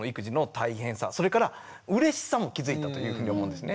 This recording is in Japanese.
それからうれしさも気付いたというふうに思うんですね。